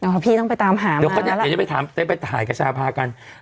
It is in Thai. เอ้าพี่ต้องไปตามหามาแล้วจะไปทำผมจะไปถ่ายกับชาพาธุการณ์กัน